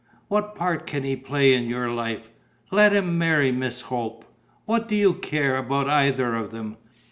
What part can he play in your life? Let him marry Miss Hope: what do you care about either of them?